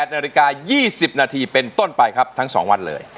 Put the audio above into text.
นาฬิกา๒๐นาทีเป็นต้นไปครับทั้ง๒วันเลย